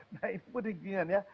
nah ini pun demikian ya